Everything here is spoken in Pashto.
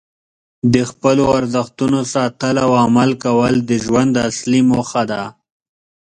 د خپلو ارزښتونو ساتل او عمل کول د ژوند اصلي موخه ده.